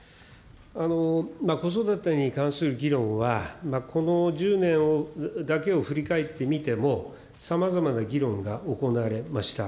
子育てに関する議論は、この１０年だけを振り返ってみても、さまざまな議論が行われました。